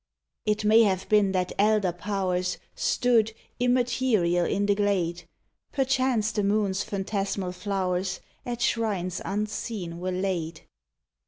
It may have been that elder pow'rs Stood, immaterial, in the glade; Perchance the moon's phantasmal flow'rs At shrines unseen were laid.